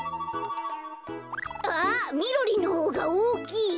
あっみろりんのほうがおおきい！